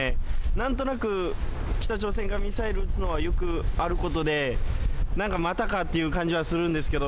なんとなく北朝鮮がミサイルを撃つのはよくあることでなんか、またかという感じはするんですけど。